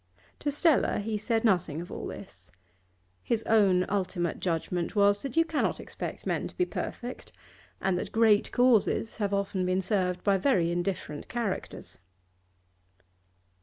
To Stella he said nothing of all this. His own ultimate judgment was that you cannot expect men to be perfect, and that great causes have often been served by very indifferent characters.